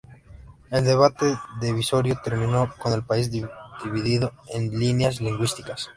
El debate divisorio terminó con el país dividido en líneas lingüísticas.